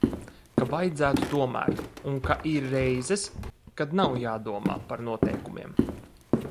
Ka vajadzētu tomēr un ka ir reizes, kad nav jādomā par noteikumiem.